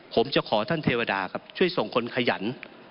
ผมจะขอท่านเทวดาครับช่วยส่งคนขยัน